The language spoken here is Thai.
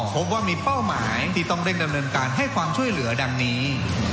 พบว่ามีเป้าหมายที่ต้องเร่งดำเนินการให้ความช่วยเหลือดังนี้